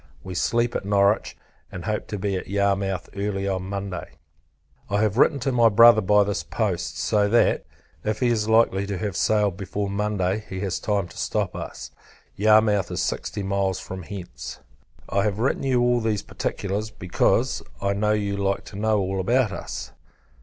We sleep at Norwich, and hope to be at Yarmouth early on Monday. I have written to my Brother by this post; so that, if he is likely to have sailed before Monday, he has time to stop us. Yarmouth is sixty miles from hence. I have written you all these particulars; because, I know, you like to know all about us.